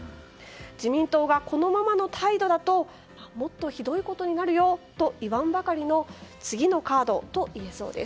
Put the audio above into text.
自民党がこのままの態度だともっとひどいことになるよと言わんばかりの次のカードといえそうです。